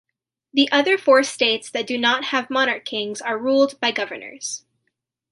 The other four states that do not have monarch kings, are ruled by governors.